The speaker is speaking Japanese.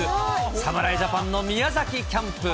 侍ジャパンの宮崎キャンプ。